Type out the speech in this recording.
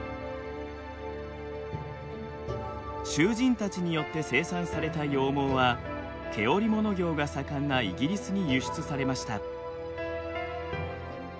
囚人たちによって生産された羊毛は毛織物業が盛んなイギリスに輸出されました。